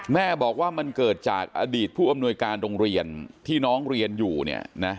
แม่บอกว่ามันเกิดจากอดีตผู้อำนวยการโรงเรียนที่น้องเรียนอยู่เนี่ยนะ